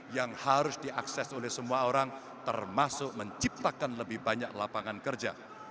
yang harus diakses oleh semua orang termasuk menciptakan lebih banyak lapangan kerja